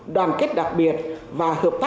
đoàn kết đặc biệt và hợp tác